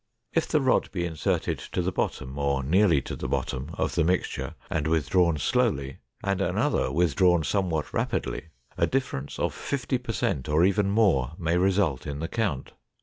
If the rod be inserted to the bottom, or nearly to the bottom of the mixture and withdrawn slowly and another withdrawn somewhat rapidly, a difference of fifty per cent or even more may result in the count.